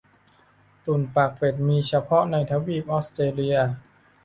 ตุ่นปากเป็ด มีเฉพาะในทวีปออสเตรเลีย